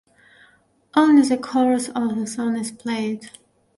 Only the chorus of the song is played.